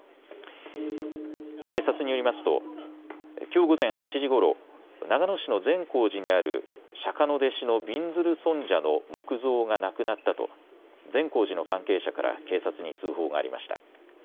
警察によりますときょう午前８時ごろ長野市の善光寺にある釈迦の弟子のびんずる尊者の木像がなくなったと善光寺の関係者から警察に通報がありました。